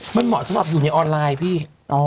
มันเหมาะสำหรับอยู่ในออนไลน์พี่